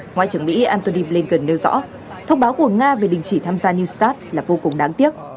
ngoại trưởng mỹ antony blinken nêu rõ thông báo của nga về đình chỉ tham gia new start là vô cùng đáng tiếc